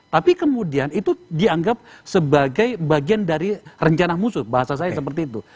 tapi kemudian itu dianggap sebagai bagian dari rencana musuh bahasa saya seperti itu